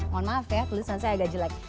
mohon maaf ya tulisan saya agak jelek